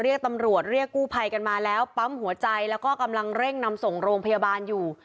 เรียกตำรวจเรียกกู้ภัยกันมาแล้วปั๊มหัวใจแล้วก็กำลังเร่งนำส่งโรงพยาบาลอยู่